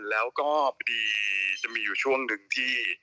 แล้วก็พอดีจะมีอยู่ช่วงหนึ่งที่